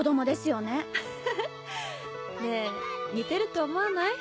ねえ似てると思わない？